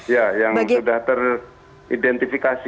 ya yang sudah teridentifikasi